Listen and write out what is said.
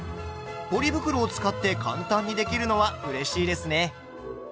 ポリ袋を使って簡単にできるのはうれしいですね。